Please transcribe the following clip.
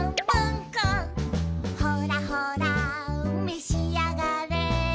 「ほらほらめしあがれ」